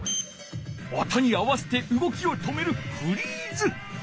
音に合わせてうごきを止めるフリーズ。